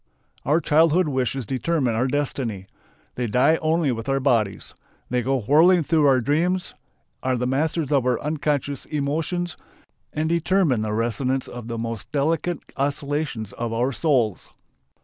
Our childhood wishes determine our destiny. They die only with our bodies. They go whirling through our dreams, are the masters of our unconscious emotions, and determine the resonance of the most delicate oscillations of our souls.